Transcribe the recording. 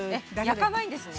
焼かないんですね？